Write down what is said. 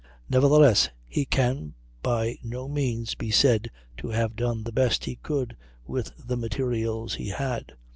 Nevertheless he can by no means be said to have done the best he could with the materials he had.